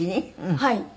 はい。